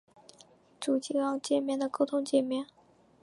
主机埠介面的沟通介面。